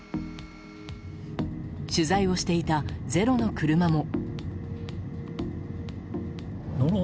取材をしていた「ｚｅｒｏ」の車も。